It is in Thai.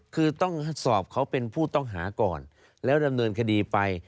คือต้องสอบเขาเป็นผู้ต้องหาก่อนแล้วดำเนินคดีไป